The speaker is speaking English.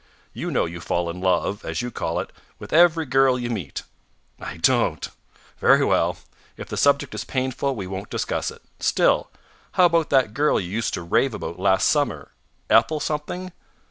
You know you fall in love, as you call it, with every girl you meet." "I don't." "Very well. If the subject is painful we won't discuss it. Still, how about that girl you used to rave about last summer? Ethel Something?"